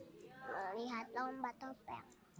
melihat lomba topeng